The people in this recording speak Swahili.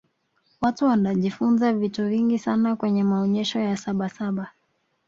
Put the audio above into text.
watu wanajifunza vitu vingi sana kwenye maonyesho ya sabasaba